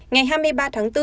ngày hai mươi ba tháng bốn